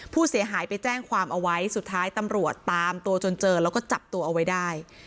ผู้เสียหายไปแจ้งความเอาไว้สุดท้ายปราศจับตัวเอาไว้ได้